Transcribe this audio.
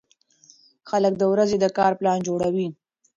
خلک د ورځې د کار پلان جوړوي